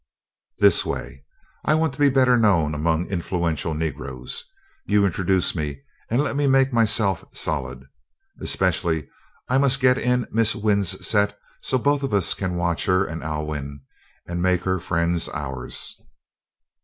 "This way. I want to be better known among influential Negroes. You introduce me and let me make myself solid. Especially I must get in Miss Wynn's set so that both of us can watch her and Alwyn, and make her friends ours."